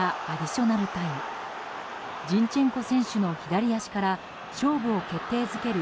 ジンチェンコ選手の左足から勝負を決定づける